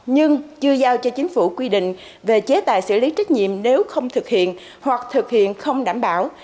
nhưng chưa giao cho chính phủ quy định về chế tài xử lý trách nhiệm nếu không thực hiện hoặc thực hiện không đảm bảo